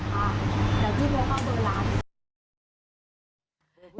เดี๋ยวพี่พูดเบอร์ละ